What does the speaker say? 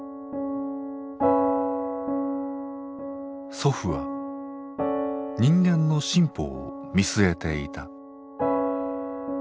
祖父は人間の進歩を見据えていた。